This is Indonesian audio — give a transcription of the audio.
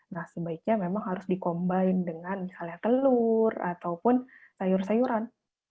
nah sebaiknya memang harus di combine dengan misalnya telur ataupun sayur sayuran